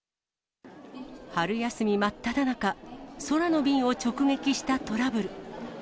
春休み真っただ中、空の便を直撃したトラブル。